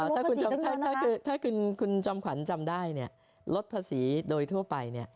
ถ้าคุณถ้าคุณคุณจำขวัญจำได้เนี้ยลดภาษีโดยทั่วไปเนี้ย